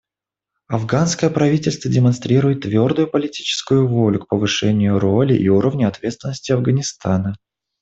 Афганское правительство демонстрирует твердую политическую волю к повышению роли и уровня ответственности Афганистана.